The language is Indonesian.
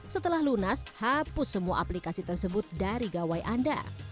setelah lunas hapus semua aplikasi tersebut dari gawai anda